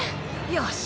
よし。